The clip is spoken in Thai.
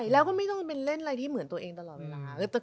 แล้วก็ไม่ต้องเป็นเล่นอะไรที่เหมือนตัวเองตลอดเวลา